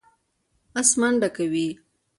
آس منډه کوي.